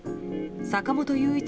坂本雄一